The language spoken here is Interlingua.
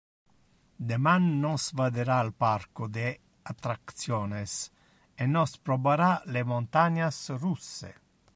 Deman nos vadera al parco de attractiones e nos probara le montanias russe.